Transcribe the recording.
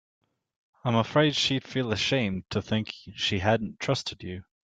I'm afraid she'd feel ashamed to think she hadn't trusted you.